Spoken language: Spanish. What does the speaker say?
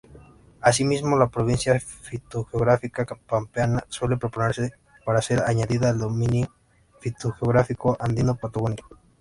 Asimismo, la Provincia fitogeográfica Pampeana suele proponerse para ser añadida al Dominio fitogeográfico Andino-Patagónico.